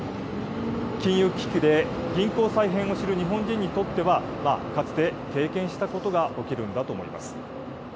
金融危機で銀行再編を知る日本人にとっては、かつて経験したことが起きるんだと思います。